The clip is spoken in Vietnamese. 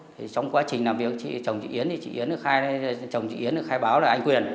trong quá trình làm việc chồng chị yến thì chị yến được khai chồng chị yến được khai báo là anh quyền